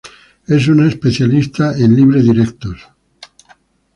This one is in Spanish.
Es un especialista en libre directos.